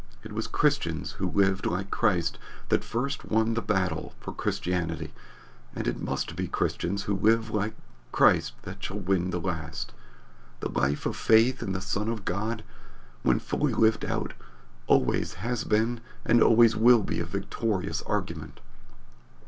It was Christians who lived like Christ that won the first battle for Christianity, and it must be Christians who live like Christ that shall win the last. The life of faith in the Son of God, when fully lived out, always has been and always will be a victorious argument.